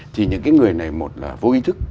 thì những cái người này một là vô ý thức